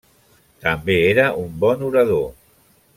També era un bon orador.